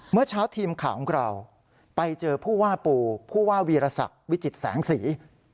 เมื่อเช้าทีมข่าวของเราไปเจอผู้ว่าปู่ผู้ว่าวีรศักดิ์วิจิตแสงสี